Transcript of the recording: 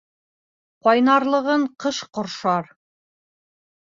Ҡайнарлығын ҡыш ҡоршар.